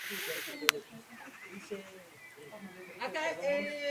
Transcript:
Desde entonces, se convirtió en uno de los referentes del equipo.